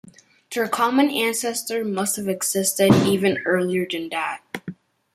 Their common ancestor must have existed even earlier than that.